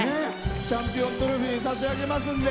チャンピオントロフィー差し上げますので。